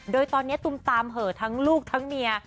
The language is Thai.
โดยตอนนี้ตุมตามเหอะทั้งลูกทั้งเมีย